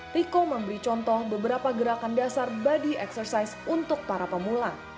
riko memberi contoh beberapa gerakan dasar body exercise untuk para pemula